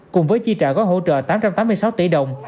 cùng với chi trả gói hỗ trợ tám trăm tám mươi sáu tỷ đồng